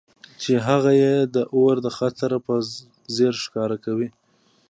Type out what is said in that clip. چې هغه یې د اور د خطر په څیر ښکاره کاوه